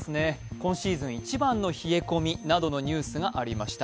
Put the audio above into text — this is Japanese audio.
今シーズン一番の冷え込みなどのニュースがありました。